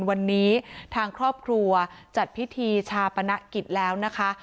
วันนี้ทางครอบครัวจัดพิธีชาปนกิจแล้วนะคะ